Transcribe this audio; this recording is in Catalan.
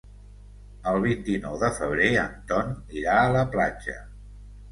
El vint-i-nou de febrer en Ton irà a la platja.